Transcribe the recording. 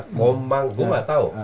ngomong aku tidak tahu